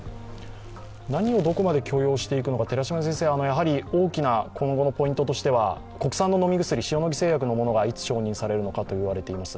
何をどこまで許容していくのか大きな今後のポイントとしては国産の飲み薬、塩野義製薬のものがいつ承認されるのかというのが言われています。